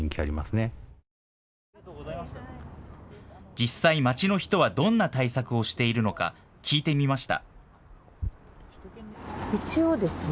実際、街の人はどんな対策をしているのか聞いてみました。